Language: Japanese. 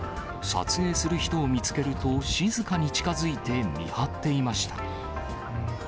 撮影する人を見つけると、静かに近づいて見張っていました。